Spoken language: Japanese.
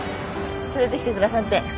連れてきてくださって。